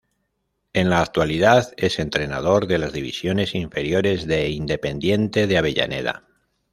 En la actualidad es entrenador de las divisiones inferiores de Independiente de Avellaneda.